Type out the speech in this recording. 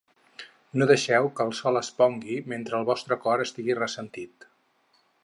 No deixeu que el sol es pongui mentre el vostre cor estigui ressentit.